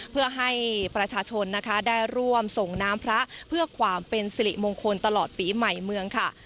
เพื่อให้ประชาชนนะคะได้ร่วมส่งน้ำพระเพื่อความเป็นสิริมงคลตลอดปีใหม่เมืองค่ะ